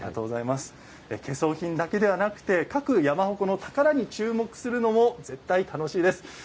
懸装品だけではなくて各山鉾の宝に注目するのも絶対楽しいです。